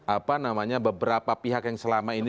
apa namanya beberapa pihak yang selama ini